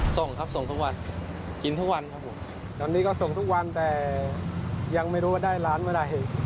ส่งครับส่งทุกวันกินทุกวันครับผมตอนนี้ก็ส่งทุกวันแต่ยังไม่รู้ว่าได้ร้านเมื่อไหร่